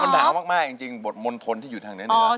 มันหนามากจริงบทมนต์ทนที่อยู่ทางนั้นเนี่ย